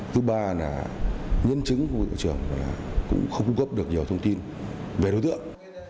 thứ ba là nhân chứng của chủ trường là cũng không cung cấp được nhiều thông tin về đối tượng